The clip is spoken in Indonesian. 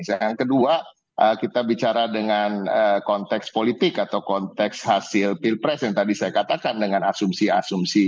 yang kedua kita bicara dengan konteks politik atau konteks hasil pilpres yang tadi saya katakan dengan asumsi asumsi